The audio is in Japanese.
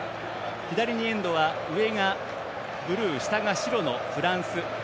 左にエンドは上がブルー、下が白のフランス。